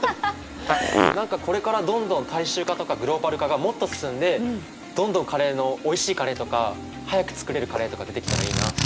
何かこれからどんどん大衆化とかグローバル化がもっと進んでどんどんカレーのおいしいカレーとか早く作れるカレーとか出てきたらいいな。